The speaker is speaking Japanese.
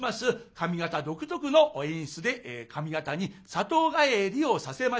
上方独特の演出で上方に里帰りをさせました。